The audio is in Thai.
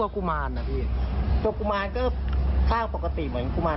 เขากลับคนที่เรียนมา